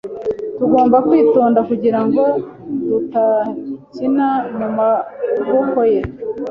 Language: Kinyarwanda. Tugomba kwitonda kugirango tudakina mumaboko ye